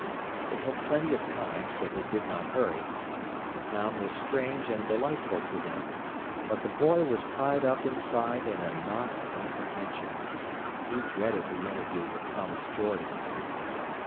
They had plenty of time, so they did not hurry. The town was strange and delightful to them. But the boy was tied up inside in a knot of apprehension. He dreaded the interview with Thomas Jordan.